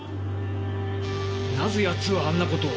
なぜやつはあんなことを？